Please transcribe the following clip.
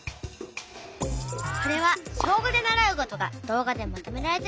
これは小５で習うことが動画でまとめられてるアプリ。